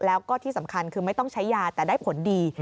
แล้วก็ที่สำคัญคือไม่ต้องใช้ยาแต่ได้ผลดี